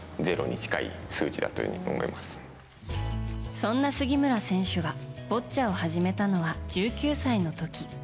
そんな杉村選手がボッチャを始めたのは１９歳の時。